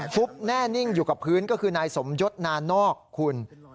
ฟุบแน่นิ่งอยู่กับพื้นก็คือนายสมยศนานอกคุณ